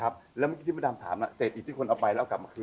แล้วเมื่อกี้ที่พระดำถามเศษอิดที่คนเอาไปแล้วเอากลับมาคืน